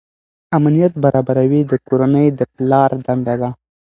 امنیت برابروي د کورنۍ د پلار دنده ده.